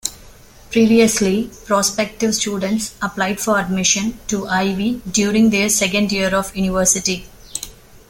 Previously, prospective students applied for admission to Ivey during their second year of university.